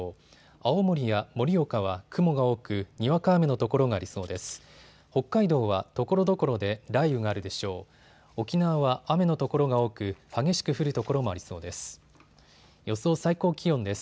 青森や盛岡は雲が多く、にわか雨の所がありそうです。